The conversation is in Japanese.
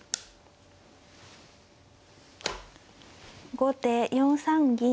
後手４三銀。